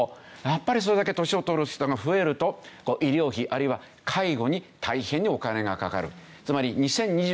やっぱりそれだけ年を取る人が増えると医療費あるいは介護に大変にお金がかかる。